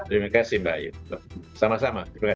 terima kasih mbak ito sama sama